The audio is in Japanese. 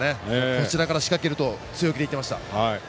「こちらから仕掛ける」と強く言っていました。